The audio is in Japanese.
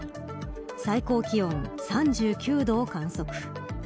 最高気温３９度を観測。